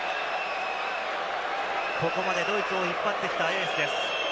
ここまでドイツを引っ張ってきたエースです。